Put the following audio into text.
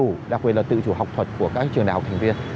tự chủ đặc biệt là tự chủ học thuật của các trường đại học thành viên